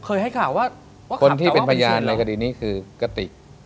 เคยให้ข่าวว่าขับแต่ว่าเป็นชื่นเหรอคนที่เป็นพยานในคดีนี้คือกะติก